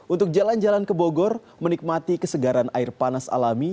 untuk jalan jalan ke bogor menikmati kesegaran air panas alami